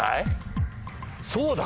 そうだ！